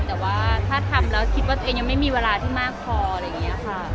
แต่ว่าถ้าทำแล้วคิดว่าตัวเองยังไม่มีเวลาที่มากพออะไรอย่างนี้ค่ะ